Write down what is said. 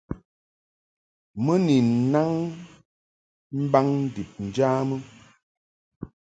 Mɨ ni nnaŋ mbaŋ ndib njamɨ.